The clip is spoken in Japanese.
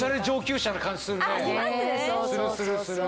するするする。